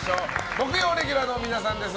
木曜レギュラーの皆さんです。